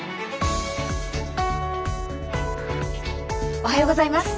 おはようございます。